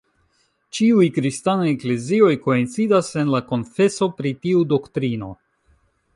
Ĉiuj kristanaj eklezioj koincidas en la konfeso pri tiu doktrino.